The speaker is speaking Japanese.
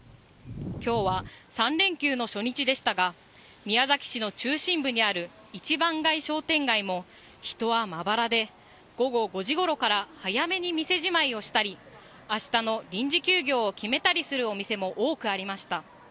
今日は３連休の初日でしたが宮崎市の中心部にある一番街商店街も人はまばらで、午後５時ごろから早めに店じまいをしたり、明日の臨時休業を決めたりするお店も多くありました。